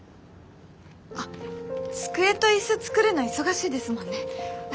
あっ机と椅子作るの忙しいですもんね。